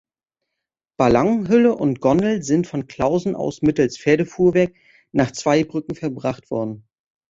Ballonhülle und Gondel sind von Clausen aus mittels Pferdefuhrwerk nach Zweibrücken verbracht worden.